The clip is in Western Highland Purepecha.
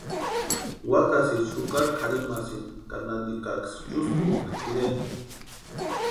Wakasïecha jukari kʼarhimasïnti ka nantikaksï chúskukʼa tʼireni.